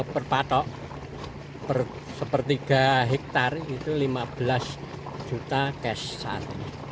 per patok sepertiga hektare itu lima belas juta cash saat